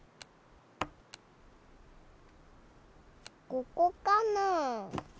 ここかな？